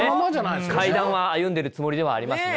階段は歩んでるつもりではありますね。